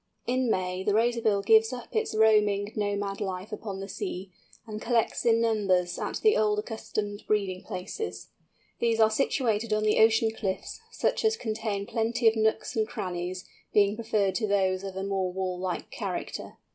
In May the Razorbill gives up its roaming, nomad life upon the sea, and collects in numbers at the old accustomed breeding places. These are situated on the ocean cliffs, such as contain plenty of nooks and crannies being preferred to those of a more wall like character.